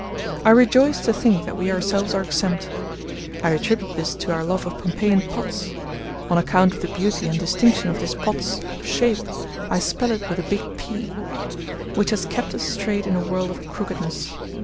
I rejoice to think that we ourselves are exempt. I attribute this to our love of Pompeian Pots (on account of the beauty and distinction of this Pot's shape I spell it with a big P), which has kept us straight in a world of crookedness.